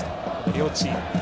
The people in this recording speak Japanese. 両チーム。